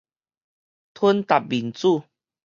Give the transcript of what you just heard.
𧿬 踏民主